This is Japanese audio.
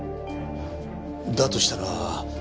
だとしたら。